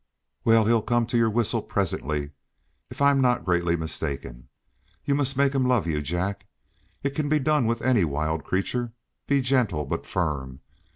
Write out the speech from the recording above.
"Well, he'll come to your whistle, presently, if I'm not greatly mistaken. You must make him love you, Jack. It can be done with any wild creature. Be gentle, but firm.